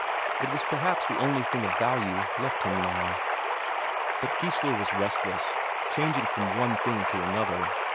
It was perhaps the only thing of value left him now. But Geissler was restless, changing from one thing to another.